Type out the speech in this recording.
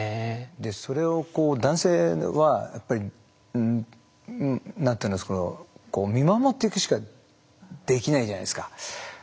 それをこう男性はやっぱり見守っていくしかできないじゃないですか。